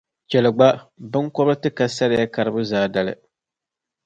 Chɛli gba, binkɔbiri ti ka sariya karibu zaadali.